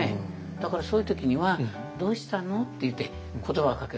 だからそういう時には「どうしたの？」って言って言葉をかける。